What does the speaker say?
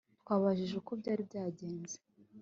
twababajije uko byari byagenze